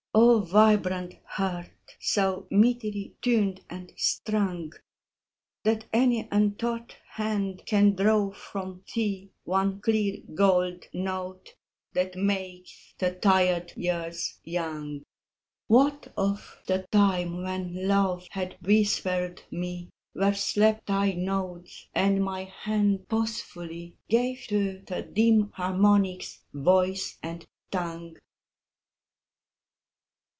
O vibrant heart! so metely tuned and strung That any untaught hand can draw from thee One clear gold note that makes the tired years young What of the time when Love had whispered me Where slept thy nodes, and my hand pausefully Gave to the dim harmonics voice and tongue?